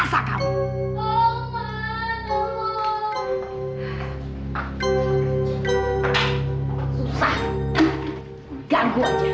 masa ini aku mau ke rumah